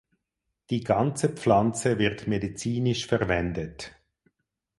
Die ganze Pflanze wird medizinisch verwendet.